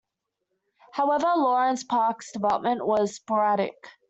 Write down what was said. However, Lawrence Park's development was sporadic.